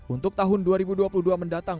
untuk tahun dua ribu dua puluh dua mendatang